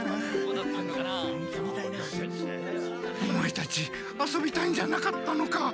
オマエたち遊びたいんじゃなかったのか。